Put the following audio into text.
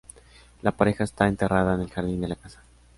La pareja está enterrada en el jardín de la casa.